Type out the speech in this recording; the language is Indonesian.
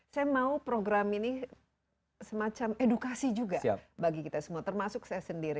saya mau program ini semacam edukasi juga bagi kita semua termasuk saya sendiri